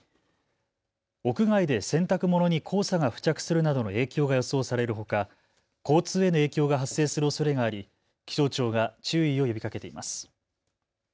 屋外で洗濯物に黄砂が付着するなどの影響が予想されるほか交通への影響が発生するおそれがあり気象庁が注意を呼びかけています。